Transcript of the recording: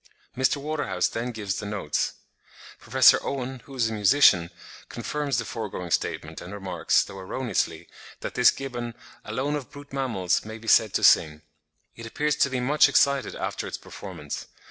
Mr. Waterhouse then gives the notes. Professor Owen, who is a musician, confirms the foregoing statement, and remarks, though erroneously, that this gibbon "alone of brute mammals may be said to sing." It appears to be much excited after its performance.